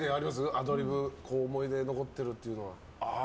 アドリブで思い出に残ってるっていうのは。